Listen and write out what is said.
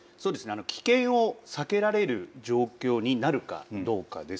危険を避けられる状況になるかどうかです。